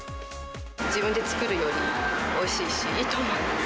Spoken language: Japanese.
自分で作るよりおいしいし、いいと思います。